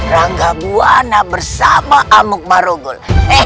rangga buana bersama amuk barogol